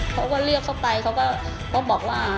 เขาก็เรียกเขาไปเขาก็บอกว่า